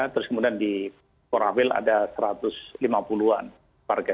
terus kemudian di korawel ada satu ratus lima puluh an warga